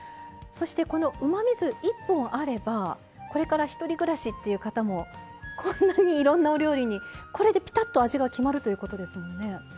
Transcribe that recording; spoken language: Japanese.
そしてこのうまみ酢１本あればこれから１人暮らしっていう方もこんなにいろんなお料理にこれでピタッと味が決まるということですもんね。